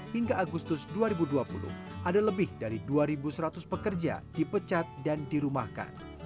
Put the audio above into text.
hingga agustus dua ribu dua puluh ada lebih dari dua seratus pekerja dipecat dan dirumahkan